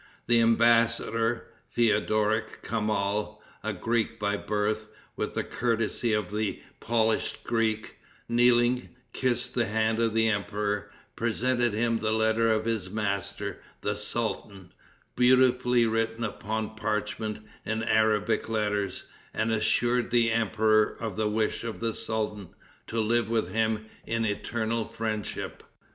The embassador, Theodoric Kamal, a Greek by birth, with the courtesy of the polished Greek, kneeling, kissed the hand of the emperor, presented him the letter of his master, the sultan, beautifully written upon parchment in Arabic letters, and assured the emperor of the wish of the sultan to live with him in eternal friendship.